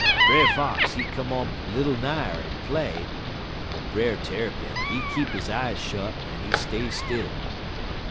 Brer Fox, he come up little nigher en play, but Brer Tarrypin, he keep he eyes shot en he stay still.